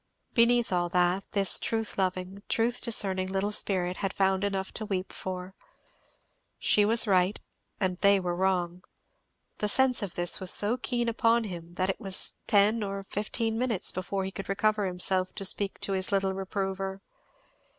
Beneath all that, this truth loving, truth discerning little spirit had found enough to weep for. She was right and they were wrong. The sense of this was so keen upon him that it was tea or fifteen minutes before he could recover himself to speak to his little reprover.